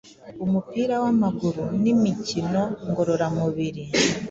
umupira w’amaguru n’imikino ngororamubiri.